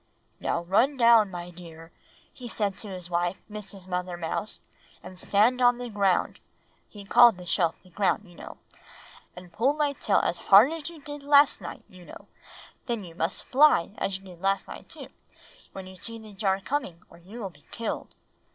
"'Now run down, my dear,' he said to his wife, Mrs. Mother Mouse, 'and stand on the ground,' he called the shelf the ground, you know, 'and pull my tail as hard as you did last night, you know; then you must fly, just as you did last night too, when you see the jar coming, or you will be killed.